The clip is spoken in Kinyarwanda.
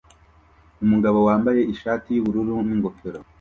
Umugabo wambaye ishati yubururu n'ingofero